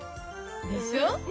でしょ？